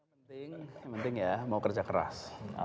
penting yang penting ya mau kerja keras